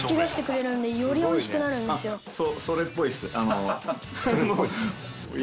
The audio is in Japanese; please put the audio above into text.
「“それっぽいです”」